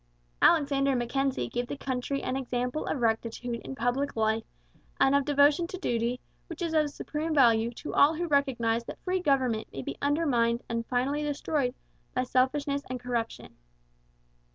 Alexander Mackenzie gave the country an example of rectitude in public life and of devotion to duty which is of supreme value to all who recognize that free government may be undermined and finally destroyed by selfishness and corruption.